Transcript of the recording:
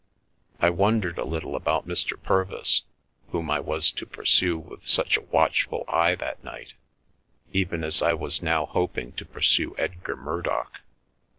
I wondered a little about Mr. Purvis, whom I was to pursue with such a watchful eye that night, even as I was now hoping to pursue Edgar Murdock.